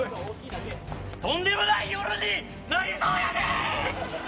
とんでもない夜になりそうやで。